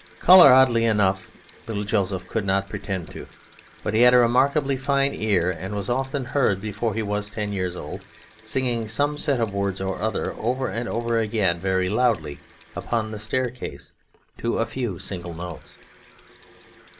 Colour, oddly enough, little Joseph could not pretend to; but he had a remarkably fine ear, and was often heard, before he was ten years old, singing some set of words or other over and over again very loudly upon the staircase to a few single notes.